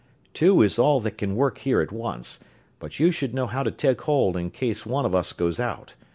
"Two is all that can work here at once, but you should know how to take hold in case one of us goes out.